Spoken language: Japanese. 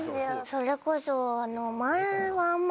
それこそ。